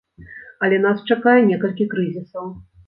Але нас чакае некалькі крызісаў.